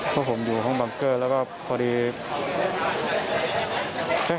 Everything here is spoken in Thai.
ไปหันมาเห็นก็เลยพาพวกผมออกได้ครับ